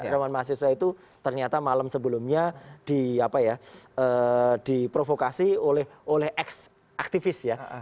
rombongan mahasiswa itu ternyata malam sebelumnya di provokasi oleh ex aktivis ya